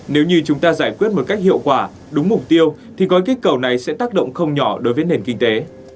nếu như chúng ta giải quyết một cách hiệu quả đúng mục tiêu thì gói kích cầu này sẽ tác động không nhỏ đối với nền kinh tế